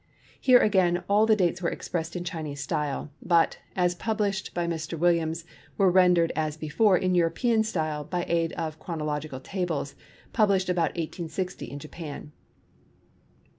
Here again all the dates were expressed in Chinese style, but, as published by Williams, were rendered, as before, in European style by aid of chronological tables, published about 1860 in Japan.